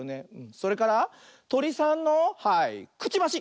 それからトリさんのはいくちばし！